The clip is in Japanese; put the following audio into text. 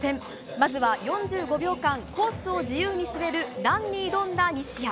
まずは４５秒間コースを自由に滑るランに挑んだ西矢。